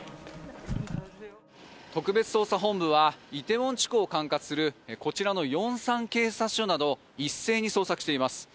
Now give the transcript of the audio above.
特別捜査本部は梨泰院地区を管轄するこちらの龍山警察署など一斉に捜索しています。